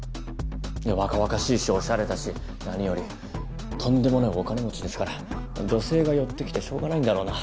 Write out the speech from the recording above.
いや若々しいしおしゃれだし何よりとんでもないお金持ちですから女性が寄ってきてしょうがないんだろうな。